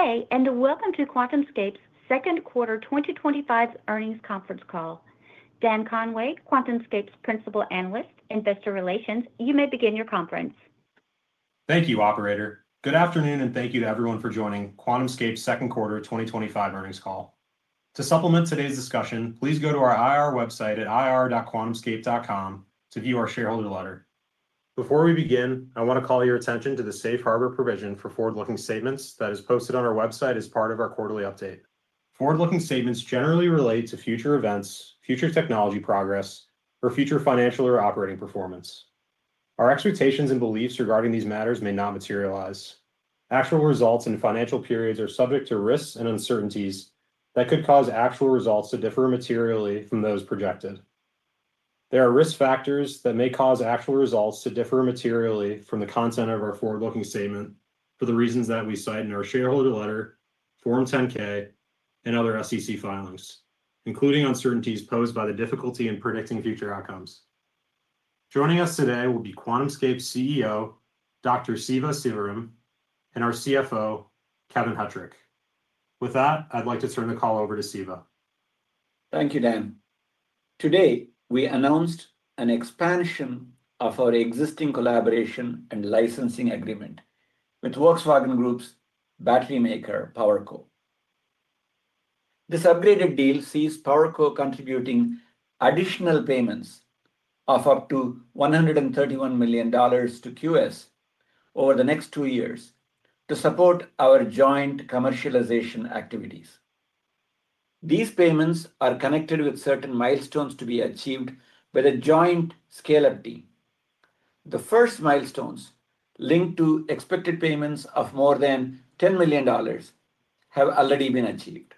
Hey and welcome to QuantumScape's second quarter 2025 earnings conference call. Dan Conway, QuantumScape's Principal Analyst, Investor Relations. You may begin your conference. Thank you, Operator. Good afternoon and thank you to everyone for joining QuantumScape's second quarter 2025 earnings call. To supplement today's discussion, please go to our IR website at ir.quantumscape.com to view our shareholder letter. Before we begin, I want to call your attention to the safe harbor provision for forward-looking statements that is posted on our website as part of our quarterly update. Forward-looking statements generally relate to future events, future technology progress, or future financial or operating performance. Our expectations and beliefs regarding these matters may not materialize. Actual results and financial periods are subject to risks and uncertainties that could cause actual results to differ materially from those projected. There are risk factors that may cause actual results to differ materially from the content of our forward-looking statements for the reasons that we cite in our shareholder letter, Form 10-K, and other SEC filings, including uncertainties posed by the difficulty in predicting future outcomes. Joining us today will be QuantumScape CEO Dr. Siva Sivaram and our CFO Kevin Hettrich. With that, I'd like to turn the call over to Siva. Thank you, Dan. Today we announced an expansion of our existing collaboration and licensing agreement with Volkswagen Group's battery maker, PowerCo. This upgraded deal sees PowerCo contributing additional payments of up to $131 million to QS over the next two years to support our joint commercialization activities. These payments are connected with certain milestones to be achieved by a joint scale-up team. The first milestones, linked to expected payments of more than $10 million, have already been achieved.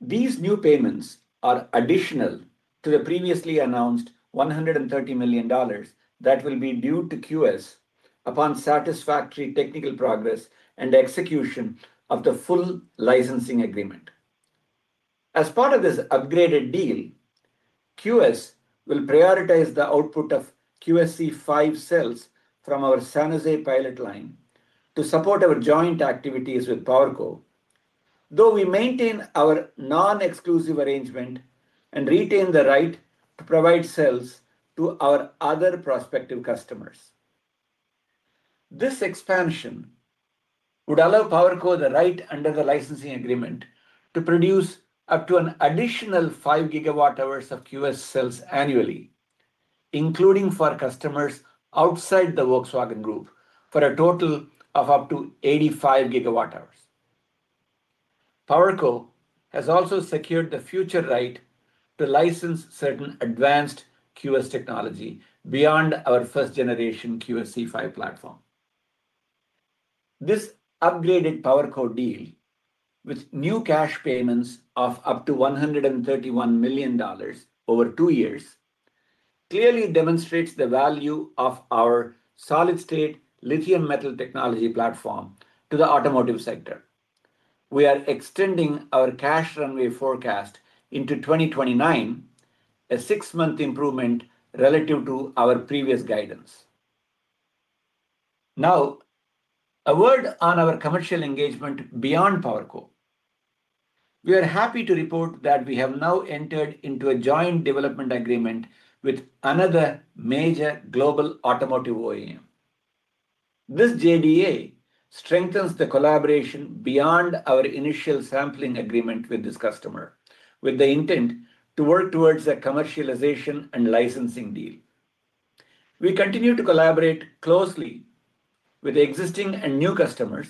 These new payments are additional to the previously announced $130 million that will be due to QS upon satisfactory technical progress and execution of the full licensing agreement. As part of this upgraded deal, QS will prioritize the output of QSE-5 cells from our San Jose pilot line to support our joint activities with PowerCo. Though we maintain our non-exclusive arrangement and retain the right to provide cells to our other prospective customers, this expansion would allow PowerCo the right under the licensing agreement to produce up to an additional 5 GWh of QS cells annually, including for customers outside the Volkswagen Group, for a total of up to 85 GWh. PowerCo has also secured the future right to license certain advanced QS technology beyond our first-generation QSE-5 platform. This upgraded PowerCo deal, with new cash payments of up to $131 million over two years, clearly demonstrates the value of our solid-state lithium-metal technology platform to the automotive sector. We are extending our cash runway forecast into 2029, a six-month improvement relative to our previous guidance. Now a word on our commercial engagement beyond PowerCo. We are happy to report that we have now entered into a joint development agreement with another major global automotive OEM. This JDA strengthens the collaboration beyond our initial sampling agreement with this customer, with the intent to work towards a commercialization and licensing deal. We continue to collaborate closely with existing and new customers,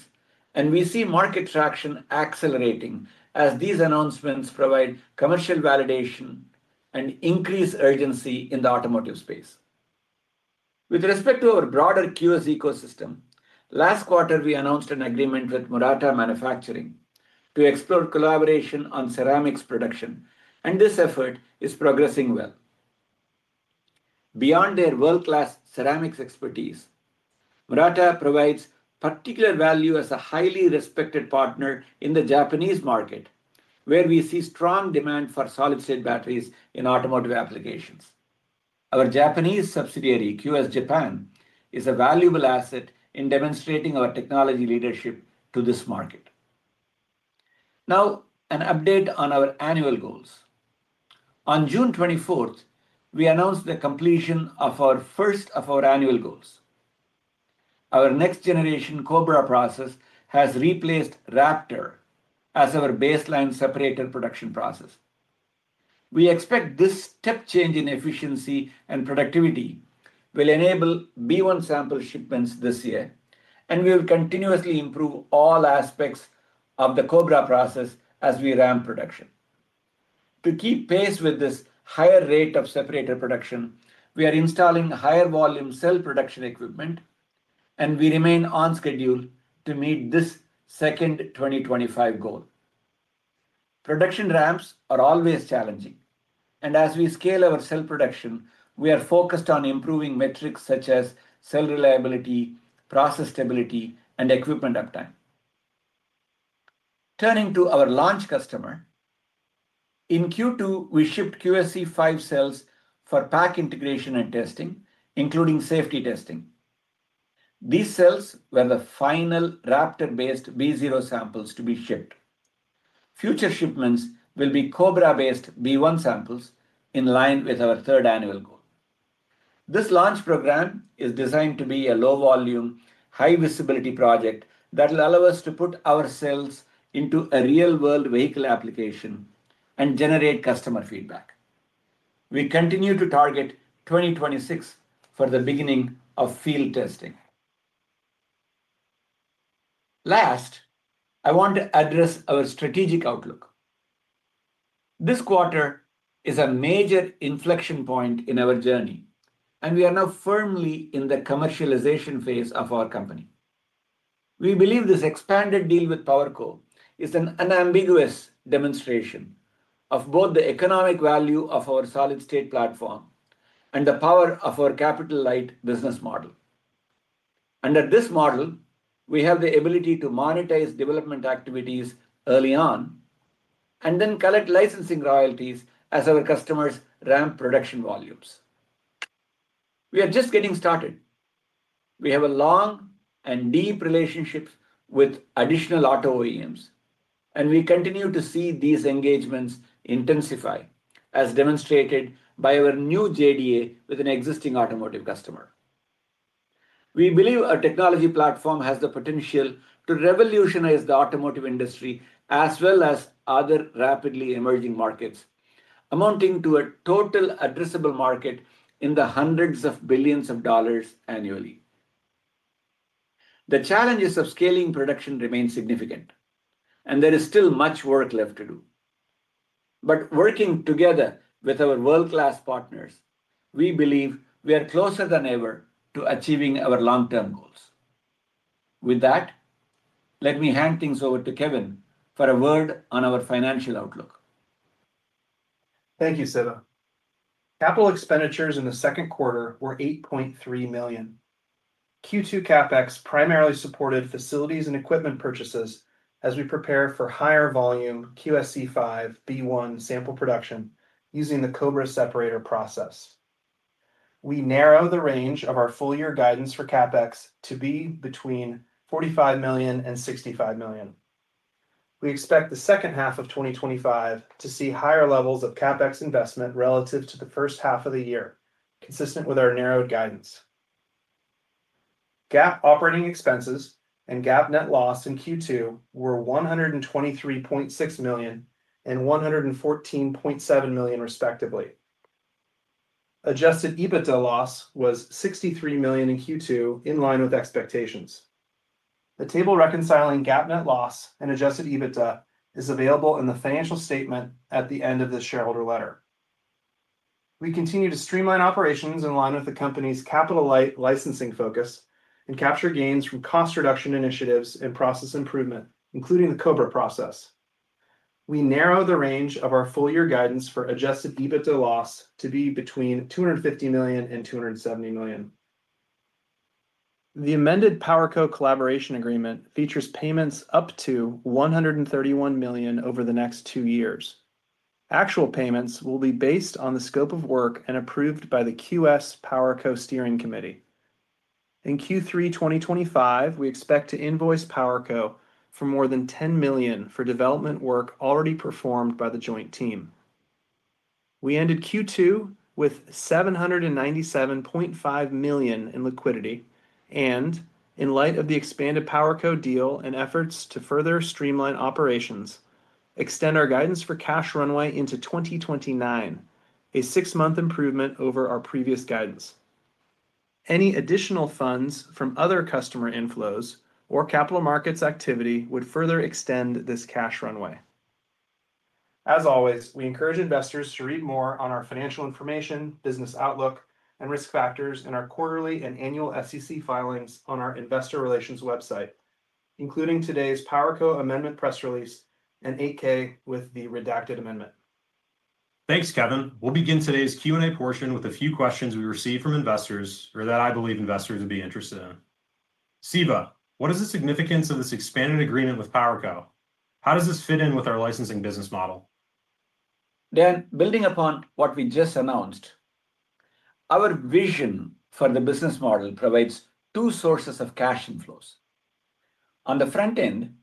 and we see market traction accelerating as these announcements provide commercial validation and increase urgency in the automotive space with respect to our broader QS ecosystem. Last quarter, we announced an agreement with Murata Manufacturing to explore collaboration on ceramics production, and this effort is progressing well beyond their world-class ceramics expertise. Murata provides particular value as a highly respected partner in the Japanese market where we see strong demand for solid-state batteries in automotive applications. Our Japanese subsidiary QS Japan is a valuable asset in demonstrating our technology leadership to this market. Now an update on our annual goals. On June 24th, we announced the completion of the first of our annual goals. Our next-generation COBRA separator process has replaced Raptor as our baseline separator production process. We expect this step change in efficiency and productivity will enable B1 sample shipments this year, and we will continuously improve all aspects of the COBRA process as we ramp production. To keep pace with this higher rate of separator production, we are installing higher-volume cell production equipment, and we remain on schedule to meet this second 2025 goal. Production ramps are always challenging, and as we scale our cell production, we are focused on improving metrics such as cell reliability, process stability, and equipment uptime. Turning to our launch customer, in Q2 we shipped QSE-5 cells for pack integration and testing, including safety testing. These cells were the final Raptor-based B0 samples to be shipped. Future shipments will be COBRA-based B1 samples. In line with our third annual goal, this launch program is designed to be a low-volume, high-visibility project that will allow us to put ourselves into a real-world vehicle application and generate customer feedback. We continue to target 2026 for the beginning of field testing. Last, I want to address our strategic outlook. This quarter is a major inflection point in our journey, and we are now firmly in the commercialization phase of our company. We believe this expanded deal with PowerCo is an unambiguous demonstration of both the economic value of our solid-state platform and the power of our capital-light business model. Under this model, we have the ability to monetize development activities early on and then collect licensing royalties as our customers ramp production volumes. We are just getting started. We have a long and deep relationship with additional auto OEMs, and we continue to see these engagements intensify as demonstrated by our new JDA with an existing automotive customer. We believe our technology platform has the potential to revolutionize the automotive industry as well as other rapidly emerging markets, amounting to a total addressable market in the hundreds of billions of dollars annually. The challenges of scaling production remain significant, and there is still much work left to do. However, working together with our world-class partners, we believe we are closer than ever to achieving our long-term goals. With that, let me hand things over to Kevin for a word on our financial outlook. Thank you, Siva. Capital expenditures in the second quarter were $8.3 million. Q2 CapEx primarily supported facilities and equipment purchases as we prepare for higher volume QSE-5 platform sample production using the COBRA separator process. We narrow the range of our full year guidance for CapEx to be between $45 million and $65 million. We expect the second half of 2025 to see higher levels of CapEx investment relative to the first half of the year. Consistent with our narrowed guidance, GAAP operating expenses and GAAP net loss in Q2 were $123.6 million and $114.7 million, respectively. Adjusted EBITDA loss was $63 million in Q2, in line with expectations. The table reconciling GAAP net loss and adjusted EBITDA is available in the Financial Statement at the end of the shareholder letter. We continue to streamline operations in line with the company's capital licensing focus and capture gains from cost reduction initiatives and process improvement, including the COBRA process. We narrow the range of our full year guidance for adjusted EBITDA loss to be between $250 million and $270 million. The amended PowerCo Collaboration Agreement features payments up to $131 million over the next two years. Actual payments will be based on the scope of work and approved by the QS PowerCo steering committee. In Q3 2025, we expect to invoice PowerCo for more than $10 million for development work already performed by the joint team. We ended Q2 with $797.5 million in liquidity, and in light of the expanded PowerCo deal and efforts to further streamline operations, extend our guidance for cash runway into 2029, a six month improvement over our previous guidance. Any additional funds from other customer inflows or capital markets activity would further extend this cash runway. As always, we encourage investors to read more on our financial information, business outlook, and risk factors in our quarterly and annual SEC filings on our investor relations website, including today's PowerCo Amendment press release and 8-K with the redacted amendment. Thanks, Kevin. We'll begin today's Q&A portion with a few questions we received from investors or that I believe investors would be interested in. Siva, what is the significance of this expanded agreement with PowerCo? How does this fit in with our licensing business model? Dan, building upon what we just announced, our vision for the business model provides two sources of cash inflows. On the front end,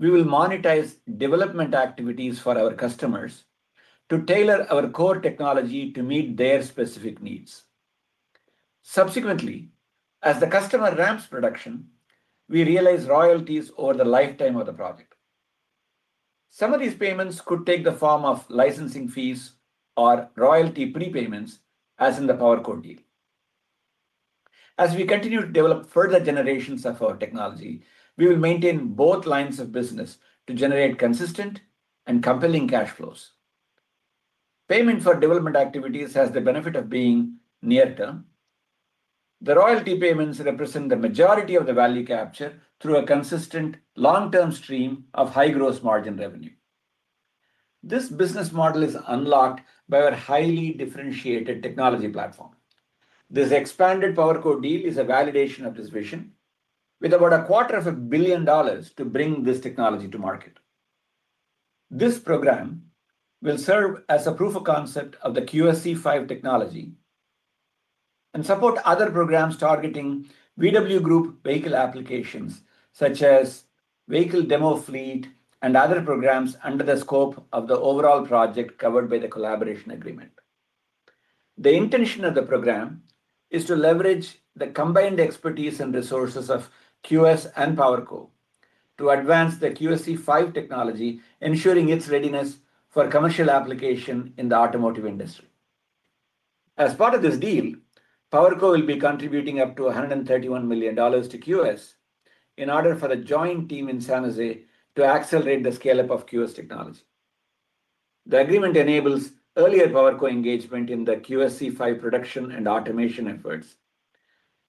we will monetize development activities for our customers to tailor our core technology to meet their specific needs. Subsequently, as the customer ramps production, we realize royalties over the lifetime of the project. Some of these payments could take the form of licensing fees or royalty prepayments as in the PowerCo deal. As we continue to develop further generations of our technology, we will maintain both lines of business to generate consistent and compelling cash flows. Payment for development activities has the benefit of being near term. The royalty payments represent the majority of the value capture through a consistent long term stream of high gross margin revenue. This business model is unlocked by our highly differentiated technology platform. This expanded PowerCo deal is a validation of this vision with about a quarter of a billion dollars to bring this technology to market. This program will serve as a proof of concept of the QSE-5 technology and support other programs targeting Volkswagen Group vehicle applications such as Vehicle Demo fleet and other programs under the scope of the overall project covered by the collaboration agreement. The intention of the program is to leverage the combined expertise and resources of QuantumScape and PowerCo to advance the QSE-5 technology, ensuring its readiness for commercial application in the automotive industry. As part of this deal, PowerCo will be contributing up to $131 million to QuantumScape in order for a joint team in San Jose to accelerate the scale up of QuantumScape technology. The agreement enables earlier PowerCo engagement in the QSE-5 production and automation efforts,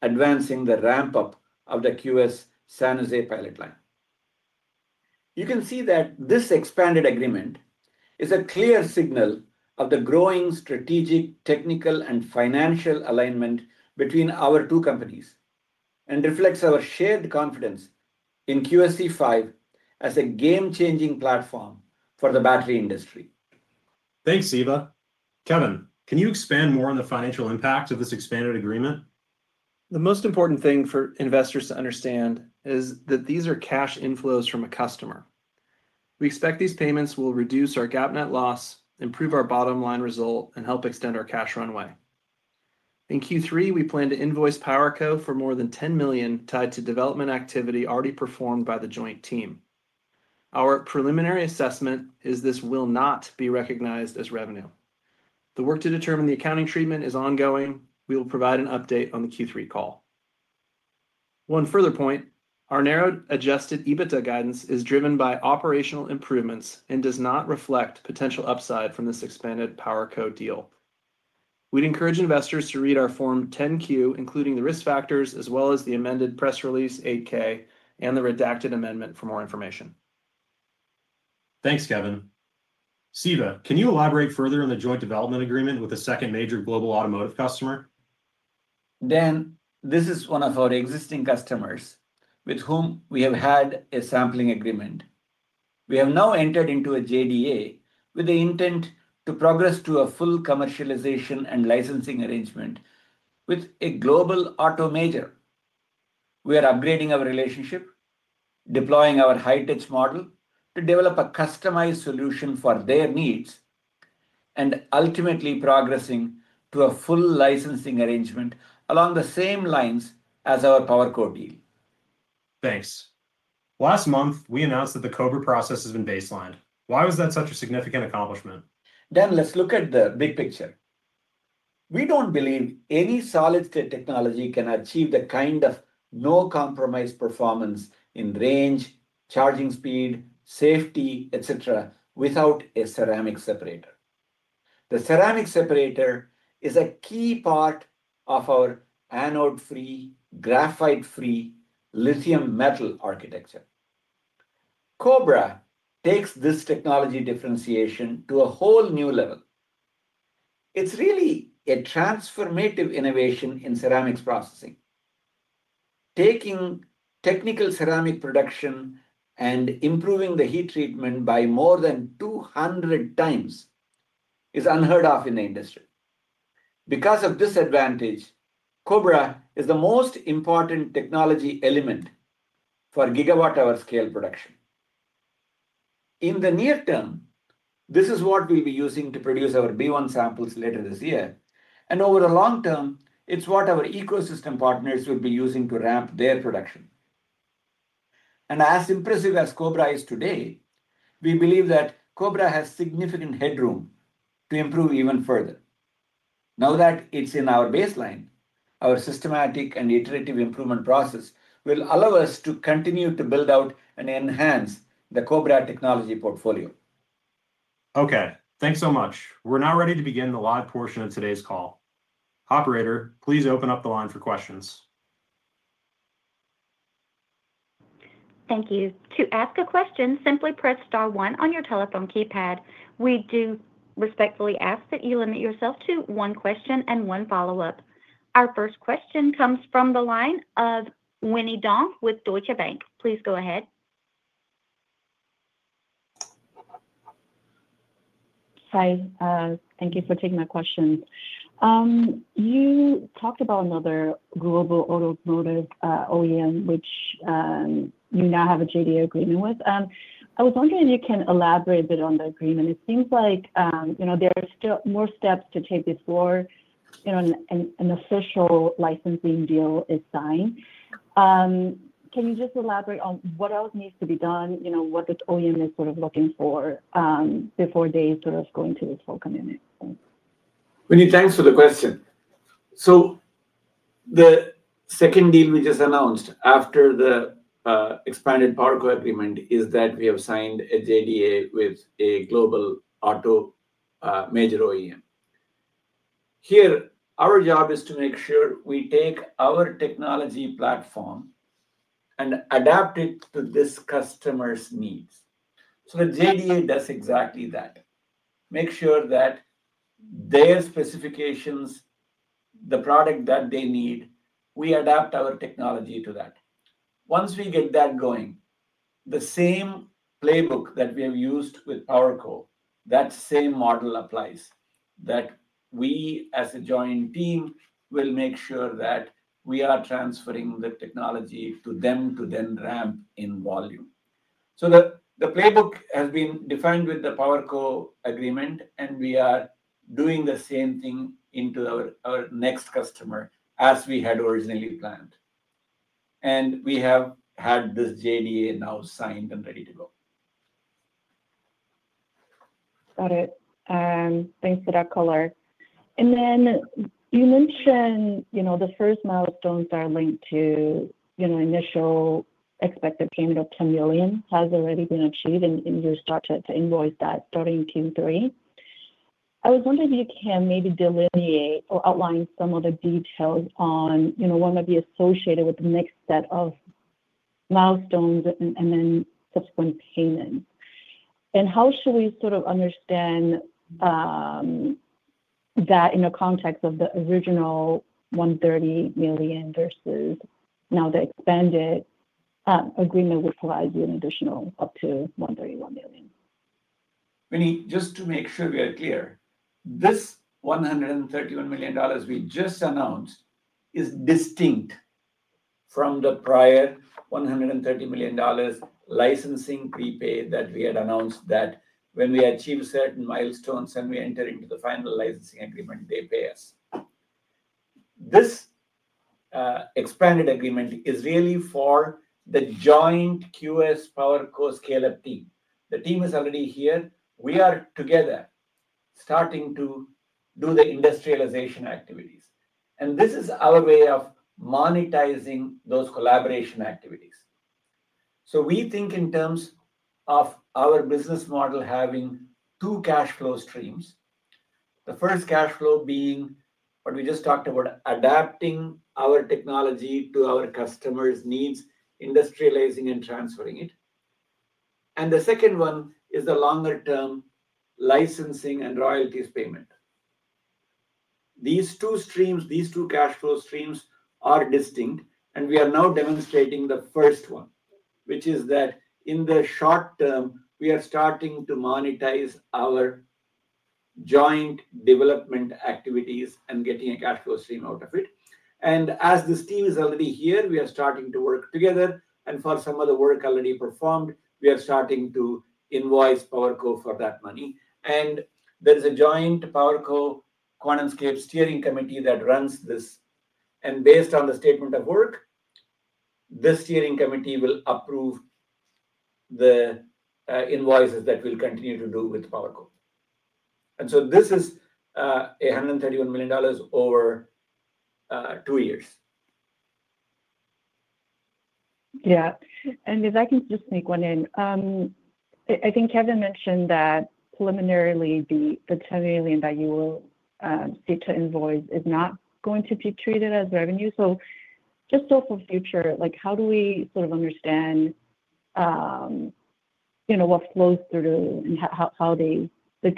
advancing the ramp up of the QuantumScape San Jose pilot line. You can see that this expanded agreement is a clear signal of the growing strategic, technical and financial alignment between our two companies and reflects our shared confidence in QSE-5 as a game changing platform for the battery industry. Thanks, Siva. Kevin, can you expand more on the financial impact of this expanded agreement? The most important thing for investors to understand is that these are cash inflows from a customer. We expect these payments will reduce our GAAP net loss, improve our bottom line result, and help extend our cash runway in Q3. We plan to invoice PowerCo for more than $10 million tied to development activity already performed by the joint team. Our preliminary assessment is this will not be recognized as revenue. The work to determine the accounting treatment is ongoing. We will provide an update on the Q3 call. One further point, our narrowed adjusted EBITDA guidance is driven by operational improvements and does not reflect potential upside from this expanded PowerCo deal. We'd encourage investors to read our Form 10-Q, including the risk factors, as well as the amended press release 8-K and the redacted amendment for more information. Thanks, Kevin. Siva, can you elaborate further on the joint development agreement with a second major global automotive customer? Dan, this is one of our existing customers with whom we have had a sampling agreement. We have now entered into a JDA with the intent to progress to a full commercialization and licensing arrangement with a global auto major. We are upgrading our relationship, deploying our high tech model to develop a customized solution for their needs, and ultimately progressing to a full licensing arrangement along the same lines as our PowerCo deal. Thanks. Last month we announced that the COBRA separator process has been baselined. Why was that such a significant accomplishment? Dan, let's look at the big picture. We don't believe any solid-state technology can achieve the kind of no-compromise performance in range, charging, speed, safety, etc. without a ceramic separator. The ceramic separator is a key part of our anode-free, graphite-free lithium metal architecture. COBRA takes this technology differentiation to a whole new level. It's really a transformative innovation in ceramics processing. Taking technical ceramic production and improving the heat treatment by more than 200 times is unheard of in the industry. Because of this advantage, COBRA is the most important technology element for gigawatt-hour scale production. In the near term, this is what we'll be using to produce our B1 samples later this year and over the long term, it's what our ecosystem partners will be using to ramp their production. As impressive as COBRA is today, we believe that COBRA has significant headroom to improve even further now that it's in our baseline. Our systematic and iterative improvement process will allow us to continue to build out and enhance the COBRA technology portfolio. Okay, thanks so much. We're now ready to begin the live portion of today's call. Operator, please open up the line for questions. Thank you. To ask a question, simply press star one on your telephone keypad. We do respectfully ask that you limit yourself to one question and one follow up. Our first question comes from the line of Winnie Dong with Deutsche Bank. Please go ahead. Hi. Thank you for taking my question. You talked about another global automotive OEM which you now have a JDA agreement with. I was wondering if you can elaborate a bit on the agreement. It seems like there are still more steps to take before an official licensing deal is signed. Can you just elaborate on what else needs to be done? You know, what the OEM is sort of looking for before they sort of go into this whole community. Winnie, thanks for the question. The second deal we just announced after the expanded PowerCo agreement is that we have signed a JDA with a global auto major OEM here. Our job is to make sure we take our technology platform and adapt it to this customer's needs. The JDA does exactly that. It makes sure that their specifications, the product that they need, we adapt our technology to that. Once we get that going, the same playbook that we have used with PowerCo, that same model applies. We as a joint team will make sure that we are transferring the technology to them to then ramp in volume. The playbook has been defined with the PowerCo agreement and we are doing the same thing into our next customer as we had originally planned. We have had this JDA now signed and ready to go. Got it. Thanks for that color. You mentioned the first milestones are linked to the initial expected payment of $10 million, which has already been achieved, and you start to invoice that starting Q3. I was wondering if you can maybe delineate or outline some of the details on what might be associated with the next set of milestones and subsequent payments. How should we sort of understand that in the context of the original $130 million versus now? The expanded agreement would provide you an additional up to $131 million? Winnie, just to make sure we are clear, this $131 million we just announced is distinct from the prior $130 million licensing prepay that we had announced that when we achieve certain milestones and we enter into the final licensing agreement, they pay us. This expanded agreement is really for the joint QS Power Core scale up team. The team is already here. We are together starting to do the industrialization activities. This is our way of monetizing those collaboration activities. We think in terms of our business model having two cash flow streams. The first cash flow being what we just talked about, adapting our technology to our customers' needs, industrializing and transferring it. The second one is the longer term licensing and royalties payment. These two streams, these two cash flow streams, are distinct. We are now demonstrating the first one, which is that in the short term we are starting to monetize our joint development activities and getting a cash flow stream out of it. As this team is already here, we are starting to work together. For some of the work already performed, we are starting to invoice PowerCo for that money. There is a joint PowerCo QuantumScape steering committee that runs this. Based on the statement of work, this steering committee will approve the invoices that we'll continue to do with PowerCo. This is $131 million over two years. Yeah. If I can just sneak one in, I think Kevin mentioned that preliminarily the $10 million that you will see to invoice is not going to be treated as revenue. Just for future, how do we sort of understand what flows through and how the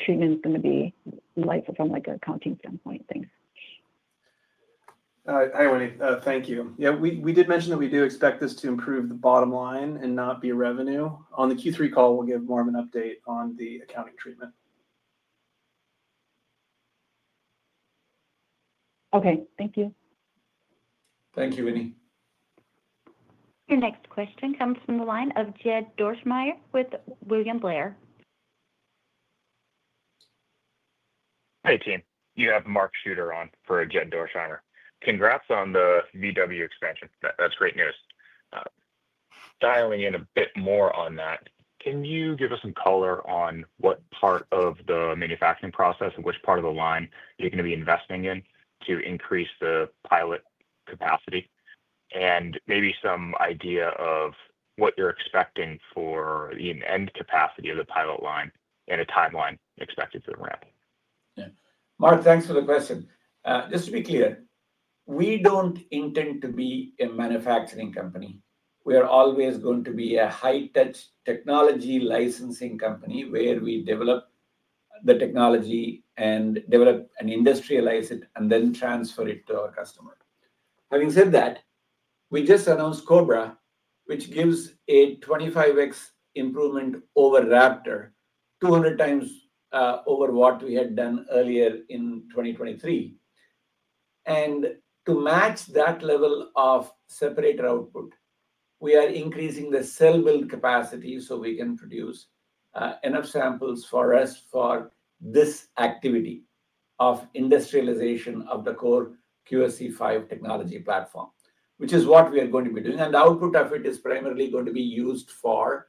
treatment is going to be from an accounting standpoint? Hi Winnie. Thank you. Yeah, we did mention that we do expect this to improve the bottom line and not be revenue. On the Q3 call, we'll give more of an update on the accounting treatment. Okay, thank you. Thank you, Winnie. Your next question comes from the line of Jed Dorsheimer with William Blair. Hey team, you have Mark Shooter on for Jed Dorsheimer. Congrats on the VW expansion. That's great news. Dialing in a bit more on that, can you give us some color on what part of the manufacturing process and which part of the line you're going to be investing in to increase the pilot capacity, and maybe some idea of what you're expecting for the end capacity of the pilot line and a timeline expected to ramp? Mark, thanks for the question. Just to be clear, we don't intend to be a manufacturing company. We are always going to be a high touch technology licensing company where we develop the technology and develop and industrialize it and then transfer it to our customer. Having said that, we just announced COBRA, which gives a 25x improvement over Raptor, 200x over what we had done earlier in 2023. To match that level of separator output, we are increasing the cell build capacity so we can produce enough samples for us for this activity of industrialization of the core QSE-5 technology platform, which is what we are going to be doing. The output of it is primarily going to be used for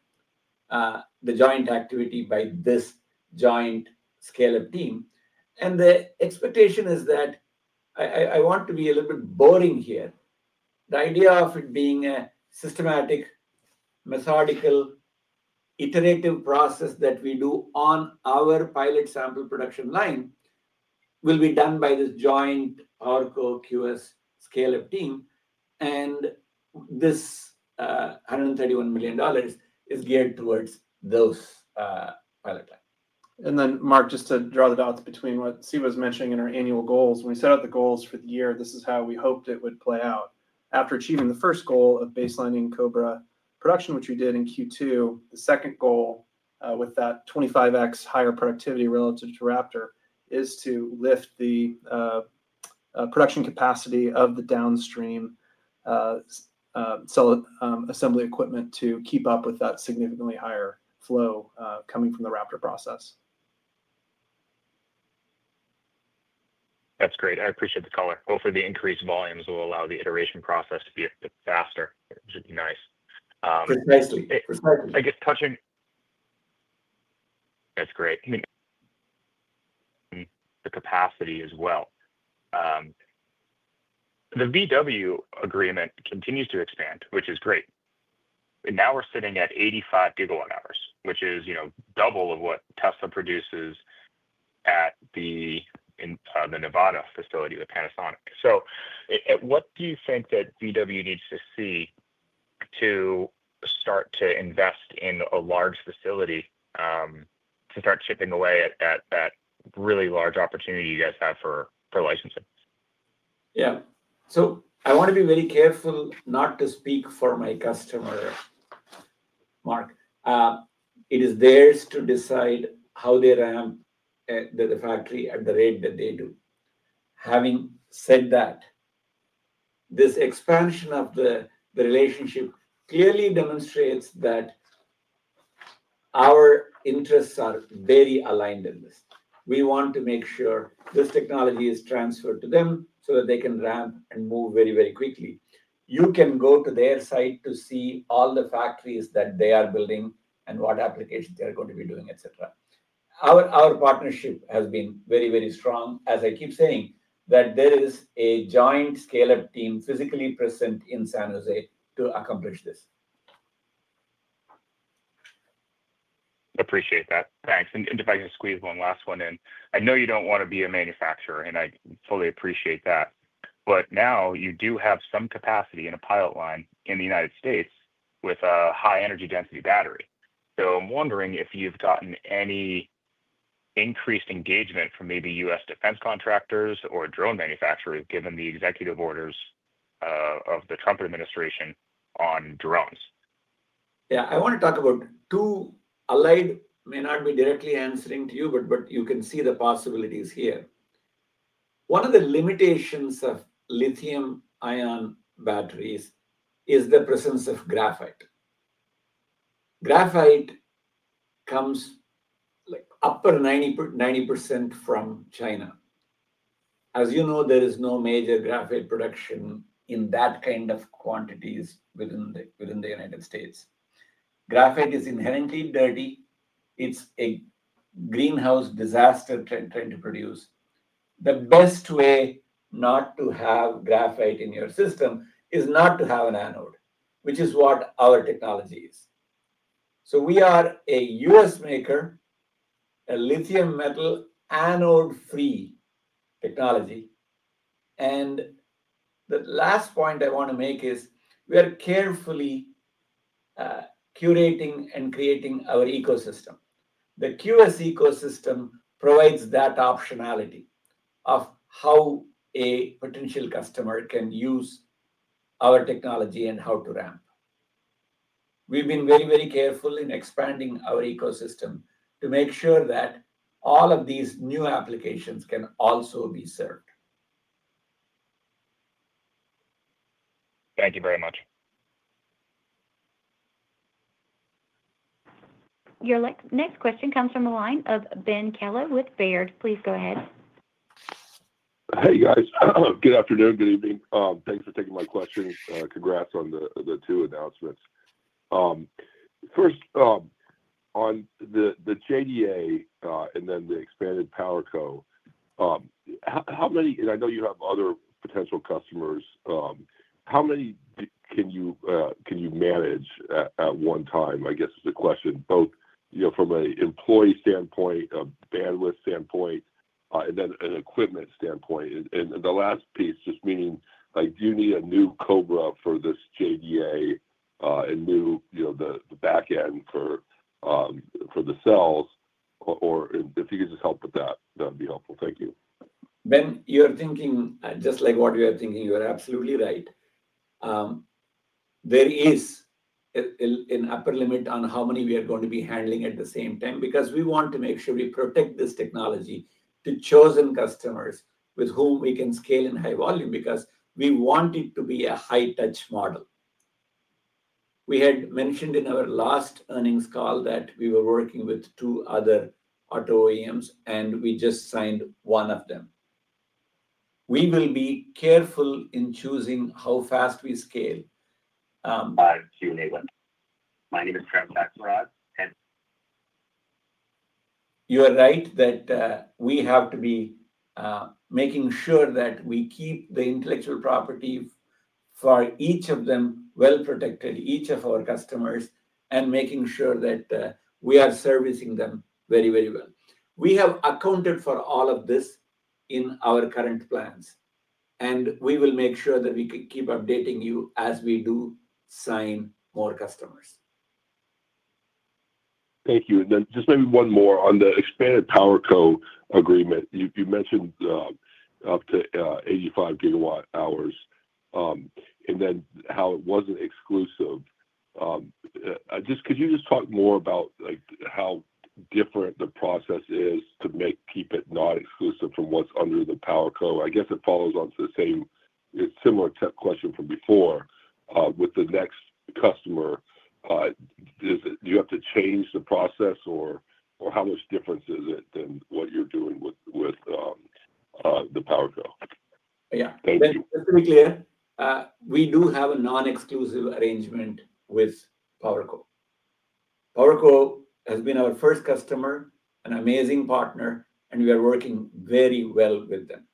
the joint activity by this joint scale up team. The expectation is that I want to be a little bit boring here. The idea of it being a systematic, methodical, iterative process that we do on our pilot sample production line will be done by this joint PowerCo QS scale up team. This $131 million is geared towards those pilot. Mark, just to draw the dots between what Siva was mentioning in our annual goals when we set out the goals for the year, this is how we hoped it would play out after achieving the first goal of baselining COBRA production, which we did in Q2. The second goal with that 25x higher productivity relative to Raptor is to lift the production capacity of the downstream assembly equipment to keep up with that significantly higher flow coming from the Raptor process. That's great. I appreciate the color. Hopefully the increased volumes will allow the iteration process to be a bit faster. Nice. I guess, touching. That's great, the capacity as well. The VW agreement continues to expand, which is great. Now we're sitting at 85 GWh, which is, you know, double of what Tesla produces at the Nevada facility with Panasonic. What do you think that VW needs to see to start to invest in a large facility, to start chipping away at that really large opportunity you guys have for licensing? Yeah. I want to be very careful not to speak for my customer, Mark. It is theirs to decide how they ramp the factory at the rate that they do. Having said that, this expansion of the relationship clearly demonstrates that our interests are very aligned in this. We want to make sure this technology is transferred to them so that they can ramp and move very, very quickly. You can go to their site to see all the factories that they are building and what applications they are going to be doing, etc. Our partnership has been very, very strong. As I keep saying, there is a joint scale up team physically present in San Jose to accomplish this. Appreciate that. Thanks. If I can squeeze one last one in, I know you don't want to be a manufacturer and I fully appreciate that. Now you do have some capacity in a pilot line in the U.S. with a high energy density battery. I'm wondering if you've gotten any increased engagement from maybe U.S. defense contractors or drone manufacturers, given the executive orders of the Trump administration on drones. Yeah. I want to talk about two Allied may not be directly answering to you, but you can see the possibilities here. One of the limitations of lithium-ion batteries is the presence of graphite. Graphite comes upper 90% from China. As you know, there is no major graphite production in that kind of quantities within the United States. Graphite is inherently dirty. It's a greenhouse disaster trying to produce. The best way not to have graphite in your system is not to have an anode, which is what our technology is. We are a U.S. maker, a lithium metal anode-free technology. The last point I want to make is we are carefully curating and creating our ecosystem. The QS ecosystem provides that optionality of how a potential customer can use our technology and how to ramp. We've been very, very careful in expanding our ecosystem to make sure that all of these new applications can also be served. Thank you very much. Your next question comes from the line of Ben Kallo with Baird. Please go ahead. Hey guys, good afternoon. Good evening. Thanks for taking my questions. Congrats on the two announcements. First on the JDA and then the expanded PowerCo. How many, and I know you have other potential customers, how many can you manage at one time, I guess is the question, both from an employee standpoint, a bandwidth standpoint, and then an equipment standpoint. The last piece, just meaning do you need a new COBRA for this JDA and the back end for the cells, or if you could just help with that, that would be helpful. Thank you. Ben, you are absolutely right. There is an upper limit on how many we are going to be handling at the same time because we want to make sure we protect this technology to chosen customers with whom we can scale in high volume because we want it to be a high touch model. We had mentioned in our last earnings call that we were working with two other auto OEMs and we just signed one of them. We will be careful in choosing how fast we scale. You are right that we have to be making sure that we keep the intellectual property for each of them well protected, each of our customers, and making sure that we are servicing them very, very well. We have accounted for all of this in our current plans, and we will make sure that we keep updating you as we do sign more customers. Thank you. Maybe one more on the expanded PowerCo agreement. You mentioned up to 85 GWh and how it wasn't exclusive. Could you talk more about how different the process is to keep it not exclusive from what's under the PowerCo? I guess it follows onto the same similar question from before. With the next customer, do you have to change the process or how much different is it than what you're doing with the PowerCo? Yeah, just to be clear, we do have a non-exclusive arrangement with PowerCo. PowerCo has been our first customer, an amazing partner, and we are working very well with them.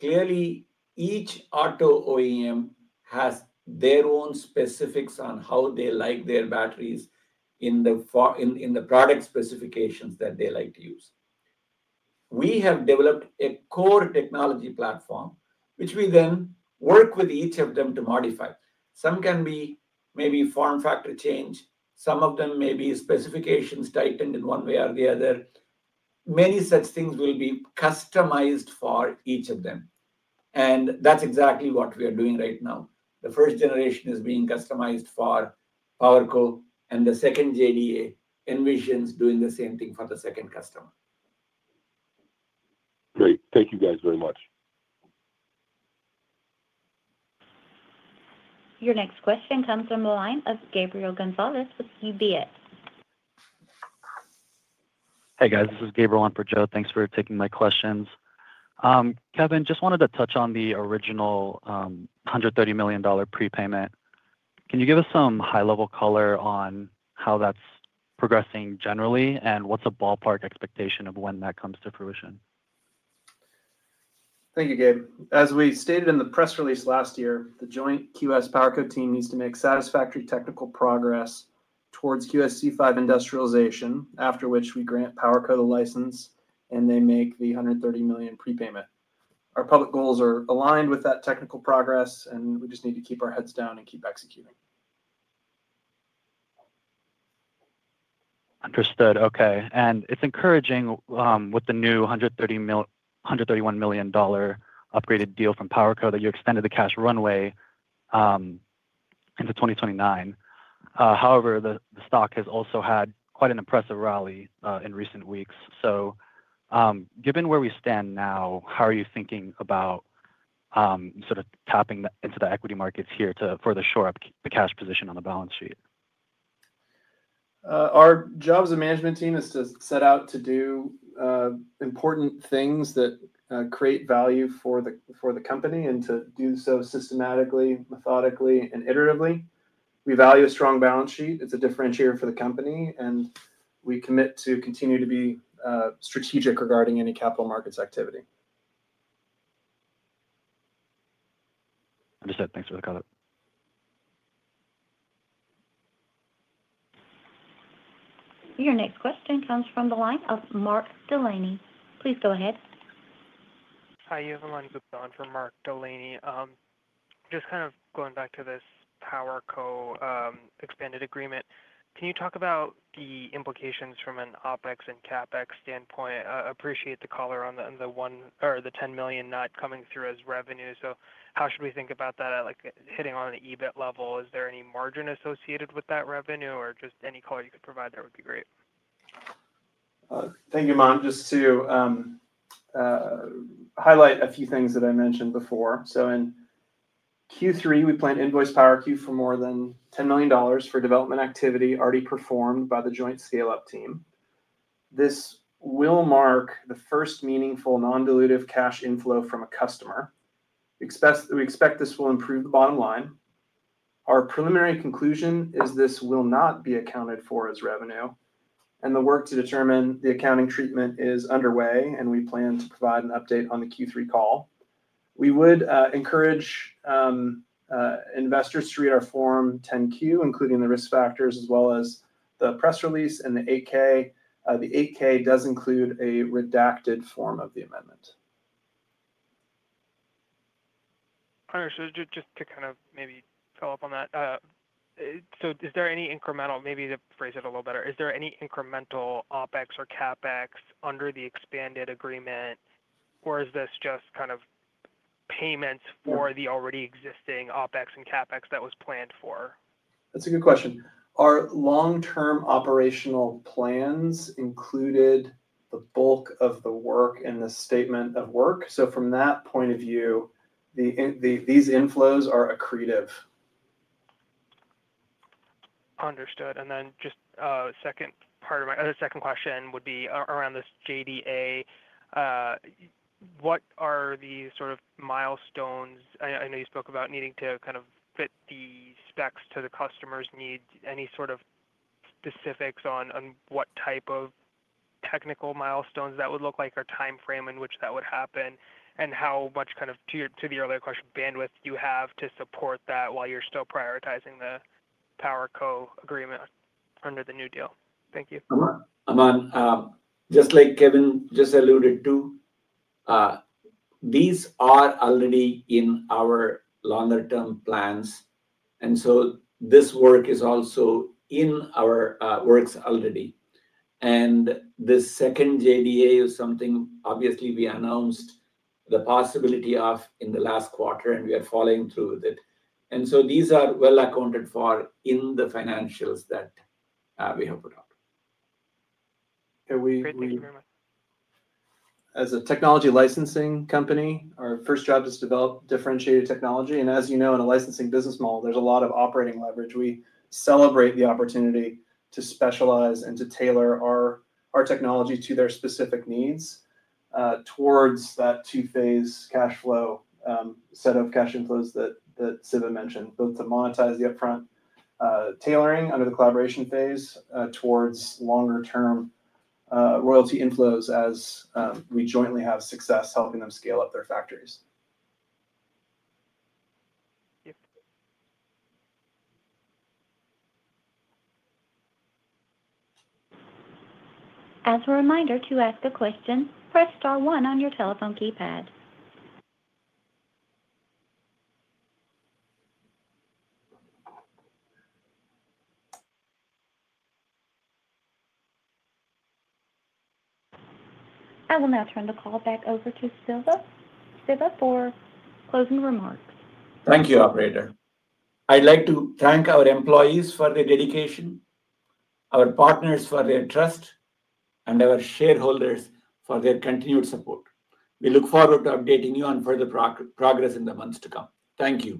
Clearly, each auto OEM has their own specifics on how they like their batteries and the product specifications that they like to use. We have developed a core technology platform, which we then work with each of them to modify. Some can be maybe form factor change. Some of them may be specifications tightened in one way or the other. Many such things will be customized for each of them, and that's exactly what we are doing right now. The first generation is being customized for PowerCo, and the second, JDA envisions doing the same thing for the second customer. Great. Thank you guys very much. Your next question comes from the line of Gabriel Gonzales with UBS. Hey guys, this is Gabriel. Thanks for taking my questions. Kevin, just wanted to touch on the original $130 million prepayment. Can you give us some high level color on how that's progressing generally and what's a ballpark expectation of when that comes to fruition? Thank you, Gab. As we stated in the press release last year, the joint QS PowerCo team needs to make satisfactory technical progress towards QSE-5 industrialization. After which we grant PowerCo the license and they make the $130 million prepayment. Our public goals are aligned with that technical progress and we just need to keep our heads down and keep executing. Understood. Okay. It's encouraging with the new $131 million upgraded deal from PowerCo that you extended the cash runway into 2029. However, the stock has also had quite an impressive rally in recent weeks. Given where we stand now, how are you thinking about sort of tapping into the equity markets here to further shore up the cash position on the balance sheet? Our job as a management team is to set out to do important things that create value for the company and to do so systematically, methodically, and iteratively. We value a strong balance sheet. It's a differentiator for the company, and we commit to continue to be strategic regarding any capital markets activity. Understood. Thanks for the comment. Your next question comes from the line of Mark Delaney. Please go ahead. Hi everyone, This Mon from Mark Delaney. Just kind of going back to this PowerCo expanded agreement. Can you talk about the implications from an OpEx and CapEx standpoint? Appreciate the color on the $1 million or the $10 million not coming through as revenue. How should we think about that hitting on the EBIT level? Is there any margin associated with that revenue or just any color you could provide? That would be great. Thank you, Mon. Just to highlight a few things that I mentioned before. In Q3, we plan to invoice PowerCo for more than $10 million for development activity already performed by the joint scale-up team. This will mark the first meaningful non-dilutive cash inflow from a customer, and we expect this will improve the bottom line. Our preliminary conclusion is this will not be accounted for as revenue, and the work to determine the accounting treatment is underway. We plan to provide an update on the Q3 call. We would encourage investors to read our Form 10-Q, including the risk factors, as well as the press release and the 8-K. The 8-K does include a redacted form of the amendment. Just to kind of maybe follow up on that. Is there any incremental, maybe to phrase it a little better, is there any incremental OpEx or CapEx under the expanded agreement, or is this just kind of payments for the already existing OpEx and CapEx that was planned for? That's a good question. Are long-term operational plans included? The bulk of the work and the statement of work, so from that point of view these inflows are accretive. Understood. The second part of my second question would be around this JDA. What are the sort of milestones? I know you spoke about needing to kind of fit the specs to the customer's needs. Any sort of specifics on what type of technical milestones that would look like or timeframe in which that would happen, and how much, kind of to the earlier question, bandwidth you have to support that while you're still prioritizing the PowerCo agreement under the new deal? Thank you. A Mon. Just like Kevin just alluded to. These are already in our longer term plans, and this work is also in our works already. This second JDA is something we announced the possibility of in the last quarter, and we are following through with it. These are well accounted for in the financials that we have put out. As a technology licensing company, our first job is to develop differentiated technology, and as you know, in a licensing business model there's a lot of operating leverage. We celebrate the opportunity to specialize and to tailor our technology to their specific needs towards that two-phase cash flow set of cash inflows that Siva mentioned, both to monetize the upfront tailoring under the collaboration phase towards longer-term royalty inflows, as we jointly have success helping them scale up their factories. As a reminder to ask a question, press star one on your telephone keypad. I will now turn the call back over to Dr. Siva Sivaram for closing remarks. Thank you, operator. I'd like to thank our employees for their dedication, our partners for their trust, and our shareholders for their continued support. We look forward to updating you on further progress in the months to come. Thank you.